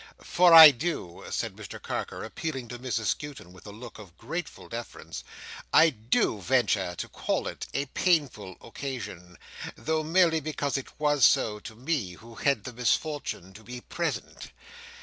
"For I do," said Mr Carker, appealing to Mrs Skewton with a look of grateful deference,—"I do venture to call it a painful occasion, though merely because it was so to me, who had the misfortune to be present.